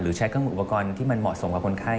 ใช้เครื่องอุปกรณ์ที่มันเหมาะสมกับคนไข้